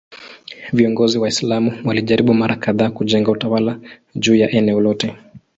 Viongozi Waislamu walijaribu mara kadhaa kujenga utawala juu ya eneo lote.